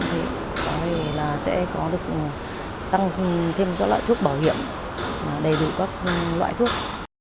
thì có thể là sẽ có được tăng thêm các loại thuốc bảo hiểm đầy đủ các loại thuốc